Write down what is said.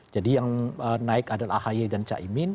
jadi yang naik adalah ahaye dan cak imin